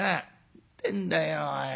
「ってんだよおい。